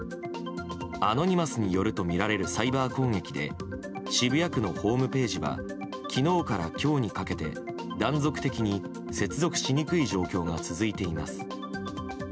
アノニマスによるとみられるサイバー攻撃で渋谷区のホームページは昨日から今日にかけて断続的に接続しにくい状況が続いています。